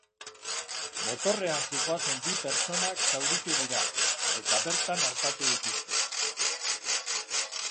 Motorrean zihoazen bi pertsonak zauritu dira, eta bertan artatu dituzte.